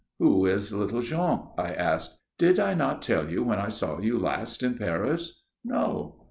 "Who is little Jean?" I asked. "Did I not tell you when I saw you last in Paris?" "No."